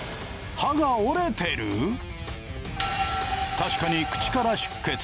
確かにクチから出血。